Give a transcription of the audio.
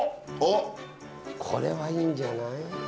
これはいいんじゃない？